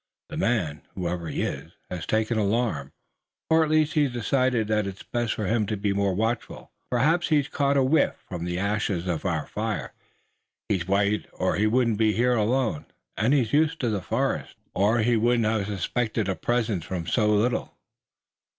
The man, whoever he is, has taken alarm, or at least he's decided that it's best for him to be more watchful. Perhaps he's caught a whiff from the ashes of our fire. He's white or he wouldn't be here alone, and he's used to the forest, or he wouldn't have suspected a presence from so little."